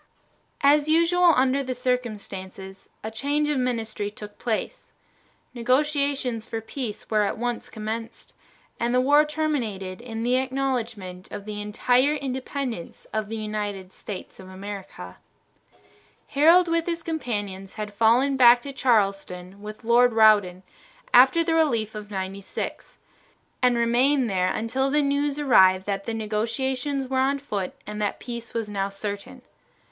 As usual under the circumstances, a change of ministry took place. Negotiations for peace were at once commenced, and the war terminated in the acknowledgment of the entire independence of the United States of America. Harold with his companions had fallen back to Charleston with Lord Rawdon after the relief of Ninety six, and remained there until the news arrived that the negotiations were on foot and that peace was now certain.